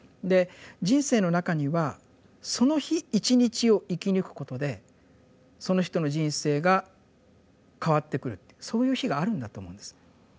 で人生の中にはその日一日を生き抜くことでその人の人生が変わってくるっていうそういう日があるんだと思うんです。